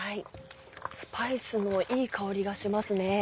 スパイスのいい香りがしますね。